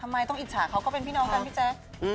ทำไมต้องอิจฉาเขาก็เป็นพี่น้องกันพี่แจ๊ค